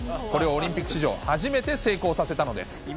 これをオリンピック史上初めて成功させたのです。